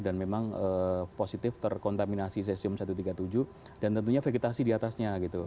dan memang positif terkontaminasi sesium satu ratus tiga puluh tujuh dan tentunya vegetasi diatasnya